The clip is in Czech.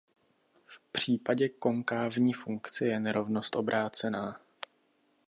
V případě konkávní funkce je nerovnost obrácená.